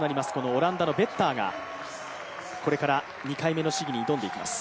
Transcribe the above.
オランダのベッターがこれから２回目の試技に挑んでいきます。